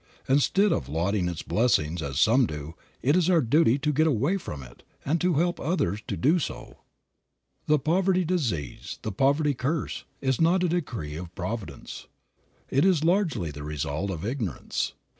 Instead of lauding its blessings, as some do, it is our duty to get away from it, and to help others to do so. The poverty disease, the poverty curse, is not a decree of Providence. It is largely the result of ignorance.